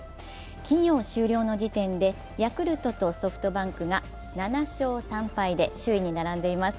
金曜終了の時点でヤクルトとソフトバンクが７勝３敗で首位に並んでいます。